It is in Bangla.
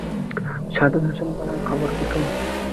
সাজ্জাদ হোসেন বললেন, খবর কি তো?